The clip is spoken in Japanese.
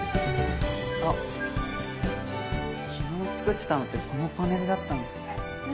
あっ昨日作ってたのってこのパネルだったんですね。